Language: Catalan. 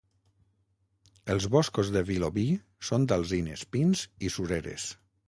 Els boscos de Vilobí són d'alzines, pins i sureres.